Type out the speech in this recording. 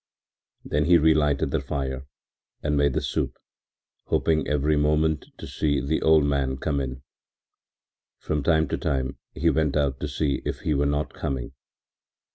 Then he relighted the fire and made the soup, hoping every moment to see the old man come in. From time to time he went out to see if he were not coming.